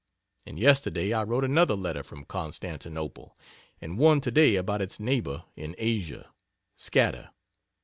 And yesterday I wrote another letter from Constantinople and 1 today about its neighbor in Asia, Scatter.